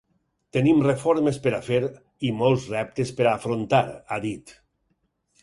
Tenim reformes per a fer i molts reptes per a afrontar, ha dit.